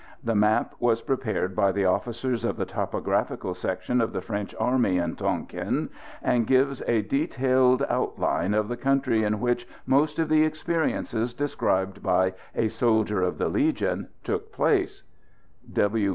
The map was prepared by the officers of the topographical section of the French army in Tonquin, and gives a detailed outline of the country in which most of the experiences described by "A Soldier of the Legion" took place.